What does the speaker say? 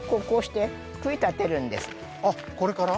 あっこれから？